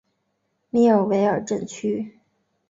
米尔维尔镇区。